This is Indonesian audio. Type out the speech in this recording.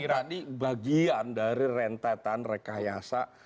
ini kan tadi bagian dari rentetan rekayasa